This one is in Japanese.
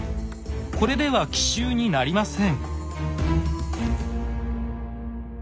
これでは奇襲になりません。